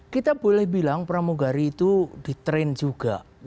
kita boleh bilang pramugari itu di train juga